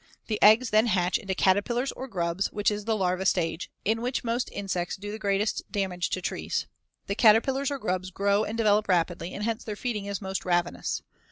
The eggs then hatch into caterpillars or grubs, which is the larva stage, in which most insects do the greatest damage to trees. The caterpillars or grubs grow and develop rapidly, and hence their feeding is most ravenous.